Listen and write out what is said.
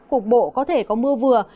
cục bộ có thể có mưa vừa